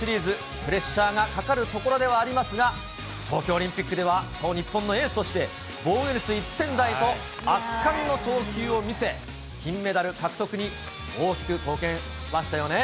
プレッシャーがかかるところではありますが、東京オリンピックでは、その日本のエースとして、防御率１点台と圧巻の投球を見せ、金メダル獲得に大きく貢献しましたよね。